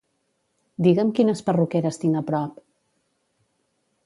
Digue'm quines perruqueres tinc a prop.